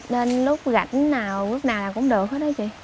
nên lúc gạch nào lúc nào là cũng được hết đó chị